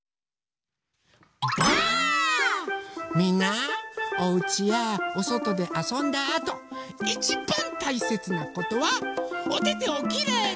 みんなおうちやおそとであそんだあといちばんたいせつなことはおててをきれいに。